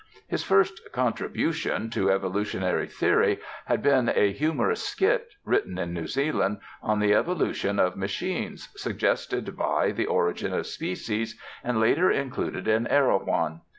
His first "contribution" to evolutionary theory had been a humorous skit, written in New Zealand, on the evolution of machines, suggested by "The Origin of Species," and later included in "Erewhon."